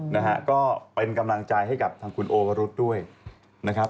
นะฮะก็เป็นกำลังใจให้กับทางคุณโอวรุษด้วยนะครับ